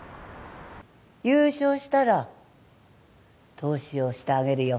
優勝したら投資をしてあげるよ。